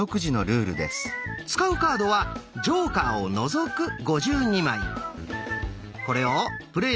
使うカードはジョーカーを除く５２枚。